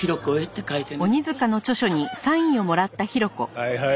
はいはい。